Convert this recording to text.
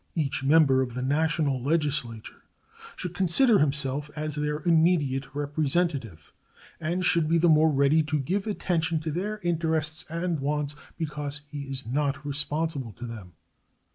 Each member of the National Legislature should consider himself as their immediate representative, and should be the more ready to give attention to their interests and wants because he is not responsible to them.